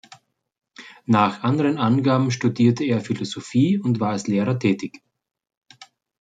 Nach anderen Angaben studierte er Philosophie und war als Lehrer tätig.